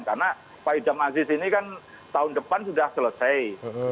karena pak hidam aziz ini kan tahun depan sudah selesai